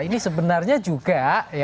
ini sebenarnya juga